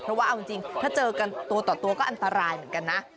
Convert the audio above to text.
เพราะว่าเอาจริงถ้าเจอกันตัวต่อตัวก็อันตรายเหมือนกันนะ